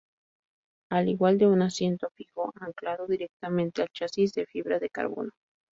Al igual de un asiento fijo anclado directamente al chasis de fibra de carbono.